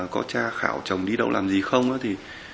có cha khảo chồng đi đâu làm gì không á thì